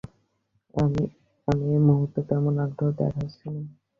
আমি এই মুহূর্তে তেমন আগ্রহ দেখাচ্ছি না।